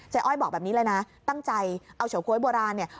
อ้อยบอกแบบนี้เลยนะตั้งใจเอาเฉาก๊วยโบราณเนี่ย